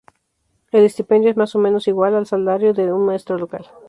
El estipendio es más o menos igual al salario de un maestro local.